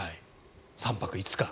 ３泊５日。